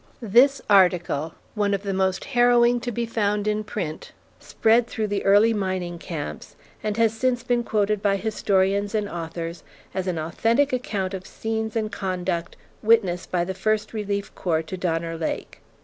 This article, one of the most harrowing to be found in print, spread through the early mining camps, and has since been quoted by historians and authors as an authentic account of scenes and conduct witnessed by the first relief corps to Donner Lake.